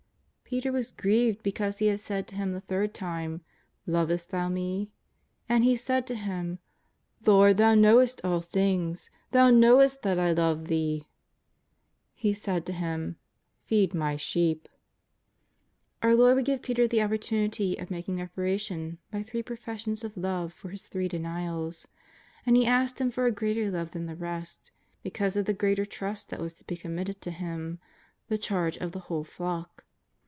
Peter was grieved because He had said to him the third time :" Lovest thou Me ?" and he said to Him :" Lord, Thou knowest all things ; Thou knowest that I love Thee." He said to him: " Feed My sheep." Our Lord would give Peter the opportunity of mak ing reparation by three professions of love for his three denials. And He asked him for a greater love than the rest, because of the greater trust that was to be com mitted to him — the charge of the whole flock.